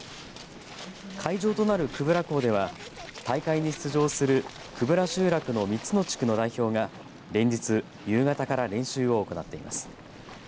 会場となる久部良港では大会に出場する久部良集落の３つの地区の代表が連日夕方から練習を行っています。